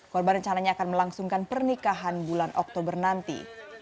korban rencananya akan melangsungkan pernikahan bulan oktober nanti